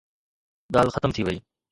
ڳالهه ختم ٿي وئي.